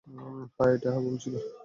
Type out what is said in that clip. হ্যাঁ, এটা ভুল ছিল।